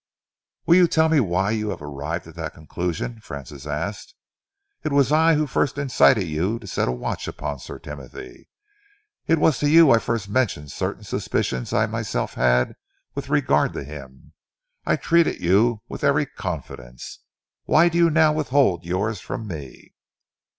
"Will you tell me why you have arrived at that conclusion?" Francis asked. "It was I who first incited you to set a watch upon Sir Timothy. It was to you I first mentioned certain suspicions I myself had with regard to him. I treated you with every confidence. Why do you now withhold yours from me?"